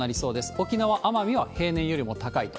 沖縄・奄美は平年よりも高いと。